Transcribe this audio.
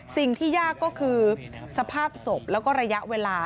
สิ่งที่ยากก็คือสภาพศพแล้วก็ระยะเวลา